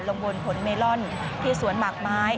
ลงบนผลเมลอนที่สวนหมากไม้